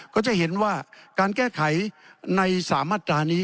ก็จะเห็นว่าการแก้ไขใน๓มาตรานี้